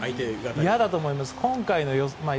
嫌だと思います。